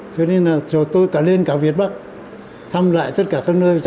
cho nên là cho tôi cả lên cả việt bắc thăm lại tất cả các nơi